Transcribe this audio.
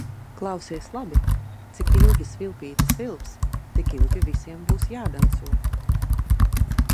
Klausies labi: cik ilgi svilpīte svilps, tik ilgi visiem būs jādanco.